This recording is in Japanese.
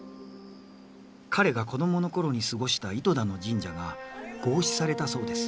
彼が子供の頃に過ごした糸田の神社が合祀されたそうです。